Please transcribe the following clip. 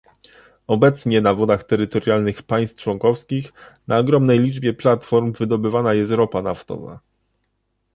Obecnie na wodach terytorialnych państw członkowskich na ogromnej liczbie platform wydobywana jest ropa naftowa